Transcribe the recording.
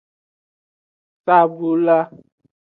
Sable.